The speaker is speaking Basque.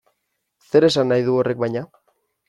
Zer esan nahi du horrek baina?